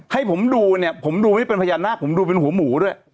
ให้ผมดูเนี่ยผมดูไว้เป็นพญานาคผมดูเป็นหัวหมูด้วย